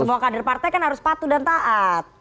semua kader partai kan harus patuh dan taat